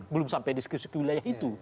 belum sampai di sekilis sekilis itu